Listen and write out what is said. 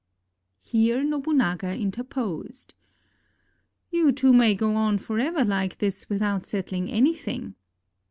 Here Nobunaga interposed: "You two may go on forever like this without settling anything.